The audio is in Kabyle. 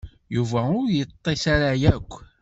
Yuba ur yeṭṭis ara akk.